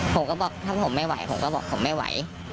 ผมก็บอกถ้าผมไม่ไหวผมก็บอกผมไม่ไหว